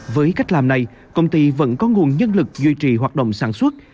với cách làm này công ty vẫn có nguồn nhân lực duy trì hoạt động sản xuất